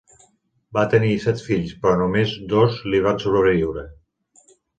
Va tenir set fills, però només dos li van sobreviure.